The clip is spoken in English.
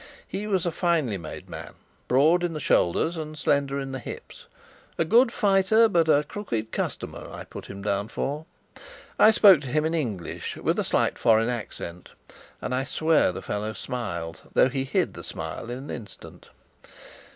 He was a finely made man, broad in the shoulder and slender in the hips. A good fighter, but a crooked customer, I put him down for. I spoke to him in English, with a slight foreign accent, and I swear the fellow smiled, though he hid the smile in an instant.